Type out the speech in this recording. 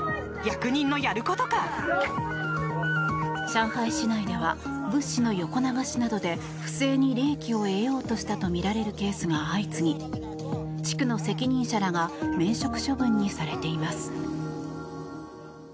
上海市内では物資の横流しなどで不正に利益を得ようとしたとみられるケースが相次ぎ地区の責任者らが免職処分にされています。